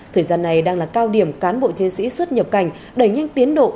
thời gian này đang là cao điểm cán bộ chiến sĩ xuất nhập cảnh đẩy nhanh tiến độ